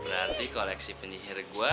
berarti koleksi penyihir gua